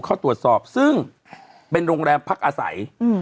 เข้าตรวจสอบซึ่งเป็นโรงแรมพักอาศัย